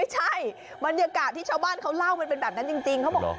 ใช่บรรยากาศที่ชาวบ้านเขาเล่ามันเป็นแบบนั้นจริงเขาบอก